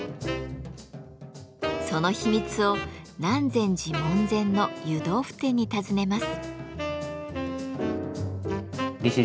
その秘密を南禅寺門前の湯豆腐店に尋ねます。